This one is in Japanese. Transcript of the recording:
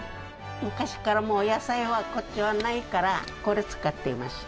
昔から野菜はこっちにはないからこれを使っていました。